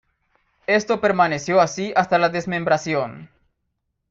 Esto permaneció así hasta la desmembración.